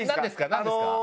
何ですか？